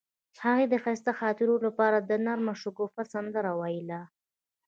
هغې د ښایسته خاطرو لپاره د نرم شګوفه سندره ویله.